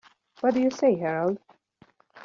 What do you say, Harold?